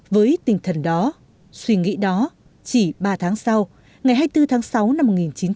với tinh thần đó suy nghĩ đó chỉ ba tháng sau ngày hai mươi bốn tháng sáu năm một nghìn chín trăm bảy mươi năm